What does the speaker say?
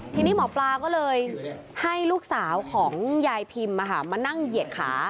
ทีนี้หมอปลาก็เลยให้ลูกสาวของยายพิมมานั่งเหยียดขา